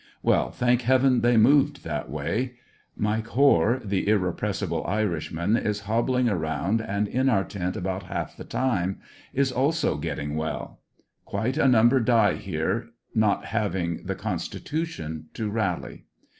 Well, thank heaven they moved that way. Mike Hoare, the irre pressible Irishman, is hobbling around and in our tent about half the time; is also getting well. Quite a number die here not hav ing the constitution to rally.